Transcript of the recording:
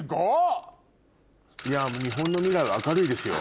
日本の未来は明るいですよ。